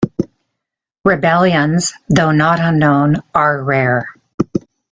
Rebellions, though not unknown, are rare.